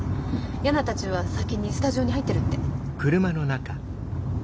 ヤナたちは先にスタジオに入ってるって。